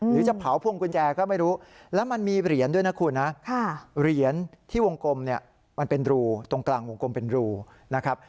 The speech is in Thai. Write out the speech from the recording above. หรือจะเผาพวงกุญแจก็ไม่รู้แล้วมันมีเหรียญด้วยนะคุณนะเหรียญที่วงกลมเนี่ยมันเป็นรูตรงกลางวงกลมเป็นรูนะครับ